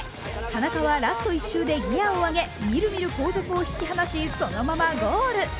田中はラスト１周でギヤを上げみるみる後続を引き離し、そのままゴール。